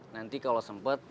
nanti kalau sempet